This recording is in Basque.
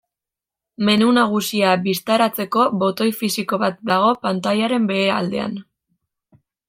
Menu nagusia bistaratzeko botoi fisiko bat dago pantailaren behealdean.